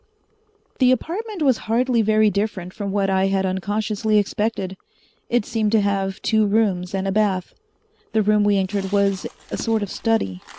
The apartment was hardly very different from what I had unconsciously expected. It seemed to have two rooms and a bath. The room we entered was a sort of study.